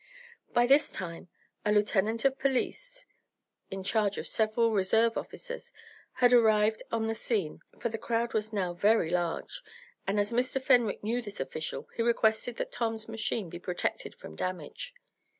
By this time a lieutenant of police, in charge of several reserve officers, had arrived on the scene, for the crowd was now very large, and, as Mr. Fenwick knew this official, he requested that Tom's machine be protected from damage.